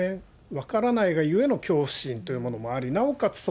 分からないがゆえの恐怖心っていうものもあり、なおかつ